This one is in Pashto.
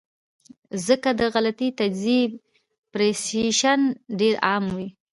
ځکه د غلطې تجزئې پرسپشن ډېر عام وي -